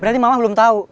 berarti mama belum tau